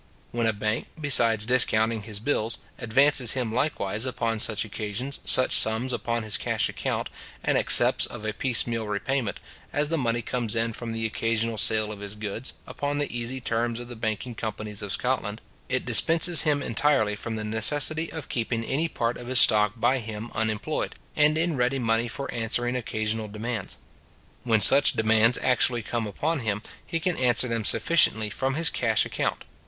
When a bank, besides discounting his bills, advances him likewise, upon such occasions, such sums upon his cash account, and accepts of a piece meal repayment, as the money comes in from the occasional sale of his goods, upon the easy terms of the banking companies of Scotland; it dispenses him entirely from the necessity of keeping any part of his stock by him unemployed and in ready money for answering occasional demands. When such demands actually come upon him, he can answer them sufficiently from his cash account.